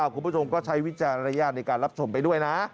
คุณผู้ชมก็ใช้วิจารณญาณในการรับชมไปด้วยนะ